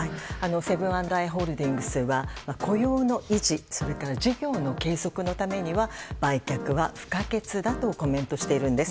セブン＆アイ・ホールディングスは雇用の維持、それから事業の継続のためには、売却は不可欠だとコメントしています。